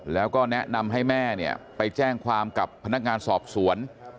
แล้วก็แนะนำให้แม่เนี่ยไปแจ้งความกับพนักงานสอบสวน